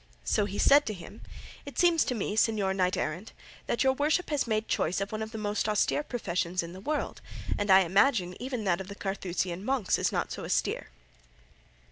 So he said to him, "It seems to me, Señor Knight errant, that your worship has made choice of one of the most austere professions in the world, and I imagine even that of the Carthusian monks is not so austere."